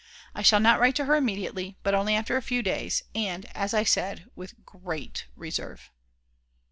I shall not write to her immediately, but only after a few days, and, as I said, with great reserve.